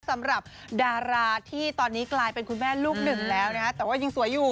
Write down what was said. สำหรับดาราที่ตอนนี้กลายเป็นคุณแม่ลูกหนึ่งแล้วนะฮะแต่ว่ายังสวยอยู่